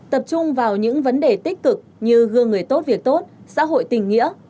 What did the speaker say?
tập trung vào những vấn đề tích cực như gương người tốt việc tốt xã hội tình nghĩa